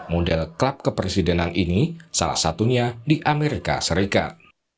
model klub kepresidenan ini salah satunya di amerika serikat